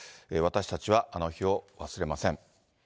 私たちはあの日を忘れません。